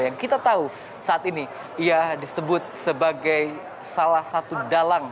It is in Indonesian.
yang kita tahu saat ini ia disebut sebagai salah satu dalang